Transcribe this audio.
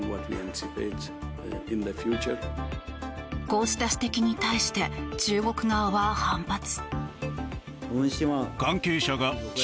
こうした指摘に対して中国側は反発。